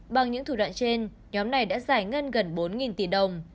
bằng những thủ đoạn trên nhóm này đã giải ngân gần bốn tỷ đồng